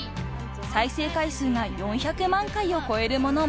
［再生回数が４００万回を超えるものも］